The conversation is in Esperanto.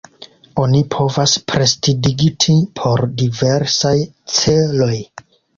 Oni povas prestidigiti por diversaj celoj.